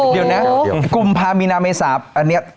เดือนละกุมภามีนาเมษาบะ